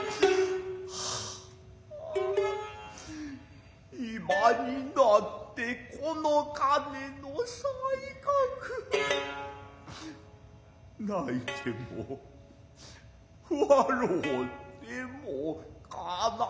ああ今になってこの金の才覚泣いても笑うても叶わず。